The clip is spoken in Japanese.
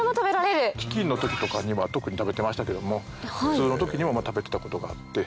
飢饉の時とかには特に食べてましたけども普通の時にも食べてたことがあって。